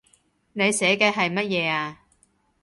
你寫嘅係乜嘢呀